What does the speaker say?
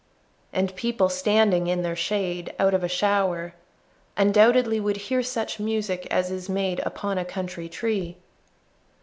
And people standing in their shade Out of a shower, undoubtedly Would hear such music as is made Upon a country tree.